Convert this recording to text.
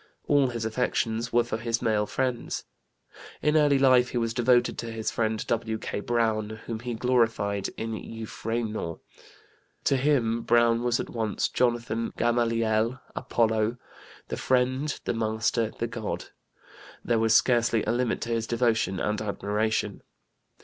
All his affections were for his male friends. In early life he was devoted to his friend W.K. Browne, whom he glorified in Euphranor. "To him Browne was at once Jonathan, Gamaliel, Apollo, the friend, the master, the God, there was scarcely a limit to his devotion and admiration."